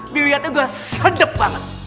dilihatnya sudah sedap banget